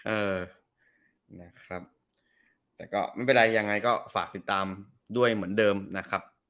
เออนะครับแต่ก็ไม่เป็นไรยังไงก็ฝากติดตามด้วยเหมือนเดิมนะครับ